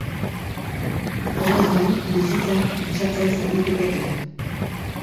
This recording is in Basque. Horrez gain, bizitza luzatzeaz arituko dira.